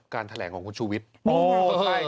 แถลงของคุณชูวิทย์